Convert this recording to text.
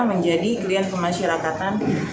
menjadi klien pemasyarakatan